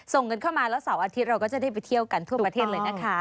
ส่งกันเข้ามาแล้วเสาร์อาทิตย์เราก็จะได้ไปเที่ยวกันทั่วประเทศเลยนะคะ